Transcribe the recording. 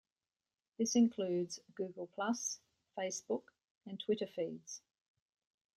This includes: Google Plus, Facebook, and Twitter feeds.